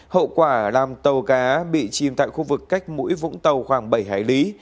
hậu quả làm tàu cá bị chìm tại khu vực cách mũi vũng tàu khoảng bảy hải lý